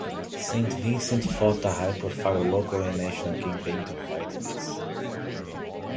Saint Vincent fought a high-profile local and national campaign to fight this.